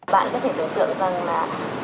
bạn có thể tưởng tượng rằng là